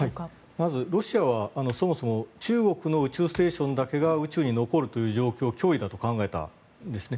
まず、ロシアはそもそも中国の宇宙ステーションだけが宇宙に残るという状況を脅威だと考えたわけですね。